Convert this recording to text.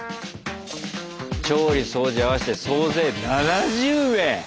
調理掃除合わせて総勢７０名！